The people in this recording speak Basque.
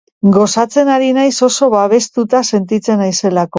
Gozatzen ari naiz oso babestuta sentitzen naizelako.